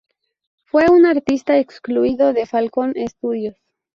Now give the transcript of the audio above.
Fue un artista exclusivo de Falcon Studios.